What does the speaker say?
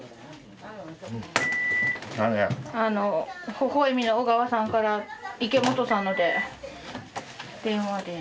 「ほほえみ」のオガワさんから池本さんので電話です。